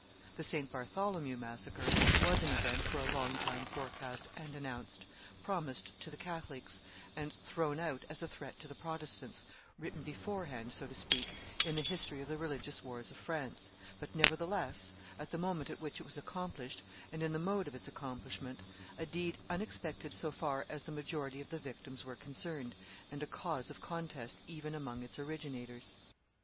The St. Bartholomew massacre was an event for a long time forecast and announced, promised to the Catholics and thrown out as a threat to the Protestants, written beforehand, so to speak, in the history of the religious wars of France, but, nevertheless, at the moment at which it was accomplished, and in the mode of its accomplishment, a deed unexpected so far as the majority of the victims were concerned, and a cause of contest even amongst its originators.